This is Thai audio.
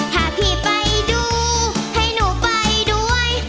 ถ้าพี่ไปดูให้หนูไปด้วย